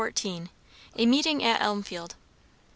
A MEETING AT ELMFIELD.